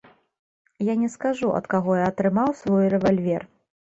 Я не скажу, ад каго я атрымаў свой рэвальвер.